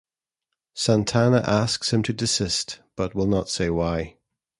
Santana asks him to desist, but will not say why.